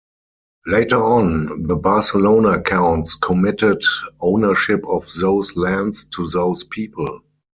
Later on, the Barcelona counts committed ownership of those lands to those people.